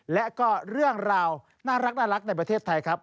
และก็เรื่องราวน่ารักในประเทศไทยครับ